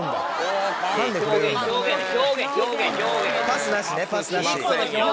パスなしねパスなし。